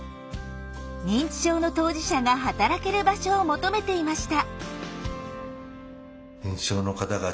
認知症の当事者が働ける場所を求めていました。